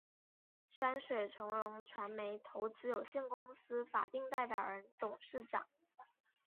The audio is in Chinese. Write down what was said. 山水从容传媒投资有限公司法定代表人、董事长